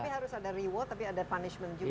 tapi harus ada reward tapi ada punishment juga